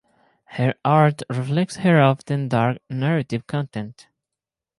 Her art reflects her often dark narrative content.